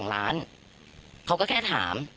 ๒ล้านเขาก็แค่ถาม